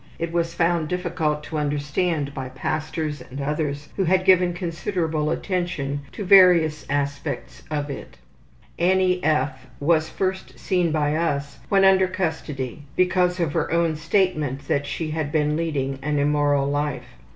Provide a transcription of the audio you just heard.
It was found difficult to understand by pastors and others who had given considerable attention to various aspects of it. Annie F. was first seen by us when under custody because of her own statement that she had been leading an immoral life.